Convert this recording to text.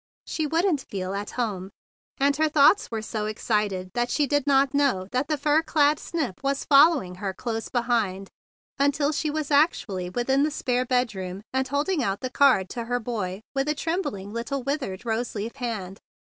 She wouldn't feel at home. And her thoughts were so excited that she did not know that the fur clad snip was fol¬ lowing her close behind until she was actually within the spare bedroom, and holding out the card to her boy with a trembling little withered rose leaf hand.